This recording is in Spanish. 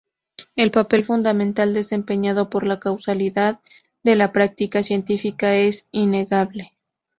El papel fundamental desempeñado por la causalidad en la práctica científica es innegable.